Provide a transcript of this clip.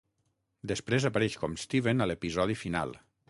Després apareix com Steven a l'episodi final.